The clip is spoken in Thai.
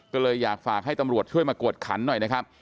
ก็เลยอยากฝากให้ตำรวจช่วยมากวดขันหน่อยนะครับ